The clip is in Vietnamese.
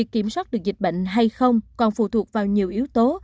kiểm soát được dịch bệnh hay không còn phụ thuộc vào nhiều yếu tố